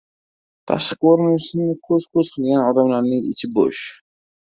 Tashqi ko‘rinishini ko‘z-ko‘z qilgan odamlarning ichi bo‘sh.